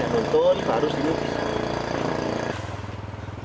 nonton harus diunggah